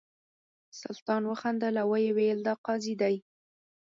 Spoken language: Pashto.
سلطان وخندل او ویل یې دا قاضي دی.